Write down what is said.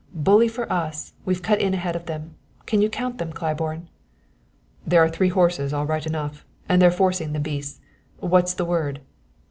"Bully for us! We've cut in ahead of them. Can you count them, Claiborne?" "There are three horses all right enough, and they're forcing the beasts. What's the word?"